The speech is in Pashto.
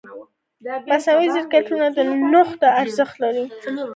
مصنوعي ځیرکتیا د نوښت ارزښت لوړوي.